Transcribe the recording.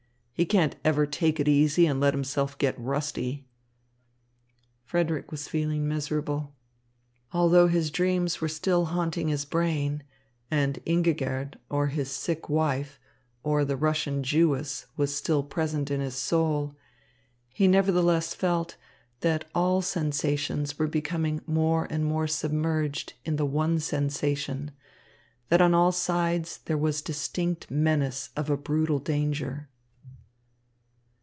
He can't ever take it easy and let himself get rusty." Frederick was feeling miserable. Although his dreams were still haunting his brain, and Ingigerd, or his sick wife, or the Russian Jewess was still present in his soul, he nevertheless felt that all sensations were becoming more and more submerged in the one sensation, that on all sides there was distinct menace of a brutal danger.